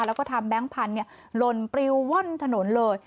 แล้วก็ทำแบงค์พันธุ์หล่นปริวว่อนถนนเลย